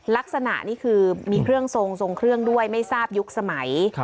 ลักษณะนี่คือมีเครื่องทรงทรงเครื่องด้วยไม่ทราบยุคสมัย